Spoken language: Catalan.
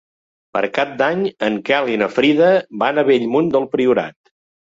Per Cap d'Any en Quel i na Frida van a Bellmunt del Priorat.